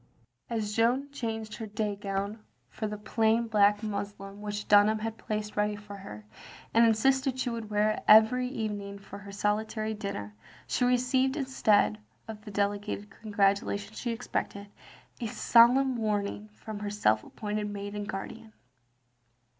As Jeanne changed her day gown for the plain 128 THE LONELY LADY black muslin which Dunham had placed ready for her, and insisted she should wear every even ing for her solitary dinner, she received, instead of the delighted congratulations she expected, a solemn warning from her self appointed maid and guardian.